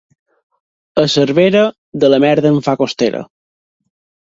A Cervera, de la merda en fan costera.